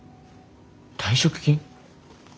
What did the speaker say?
退職金？